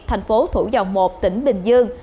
thành phố thủ dòng một tỉnh bình dương